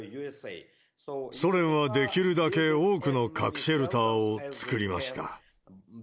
ソ連はできるだけ多くの核シェルターを造りました。